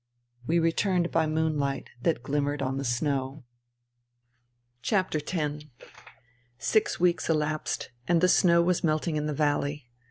We returned by moonlight that glimmered on the snow. X Six weeks elapsed, and the snow was melting in the valley.